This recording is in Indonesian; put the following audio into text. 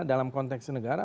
dalam konteks negara